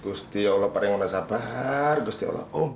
gusti allah parah yang nggak sabar gusti allah om